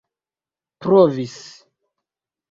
provis